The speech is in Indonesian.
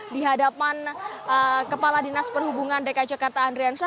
di hadapan kepala dinas perhubungan dki jakarta andrian syah